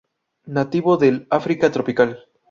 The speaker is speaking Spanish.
Nativo del África tropical.